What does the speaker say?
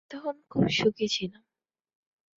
আমি তখন খুব সুখী ছিলাম।